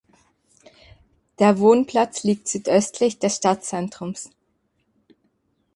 Der Wohnplatz liegt südöstlich des Stadtzentrums.